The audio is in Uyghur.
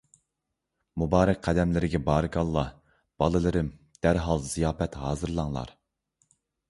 مۇبارەك قەدەملىرىگە بارىكاللاھ، بالىلىرىم، دەرھال زىياپەت ھازىرلاڭلار!